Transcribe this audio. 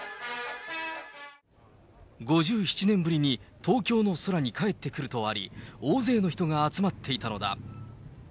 ５７年ぶりに東京の空に帰ってくるとあり、大勢の人が集まっていたのだ。